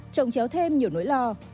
trồng chéo thêm nhiều nỗi lo